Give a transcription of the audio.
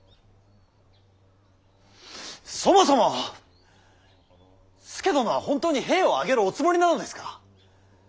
そもそも佐殿は本当に兵を挙げるおつもりなのですか。